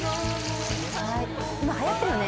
今はやってるよね